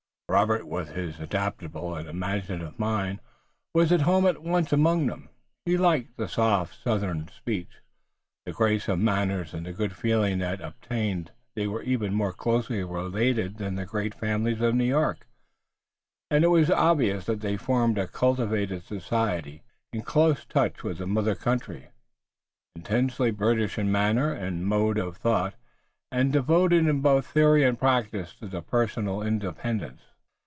Robert, with his adaptable and imaginative mind, was at home at once among them. He liked the soft southern speech, the grace of manner and the good feeling that obtained. They were even more closely related than the great families of New York, and it was obvious that they formed a cultivated society, in close touch with the mother country, intensely British in manner and mode of thought, and devoted in both theory and practice to personal independence.